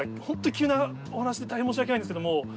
ホント急なお話で大変申し訳ないんですけども。